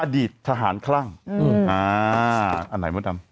อดีตทหารคลั่งอืมอ่าอันไหนมุดอำ